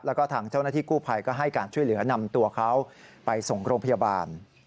แล้วก็ทางเจ้าหน้าที่กู้ภัยก็ให้การช่วยเหลือนำตัวเขาไปส่งโรงพยาบาล